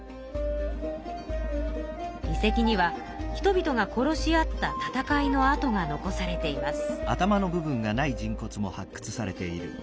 遺跡には人々が殺し合った戦いのあとが残されています。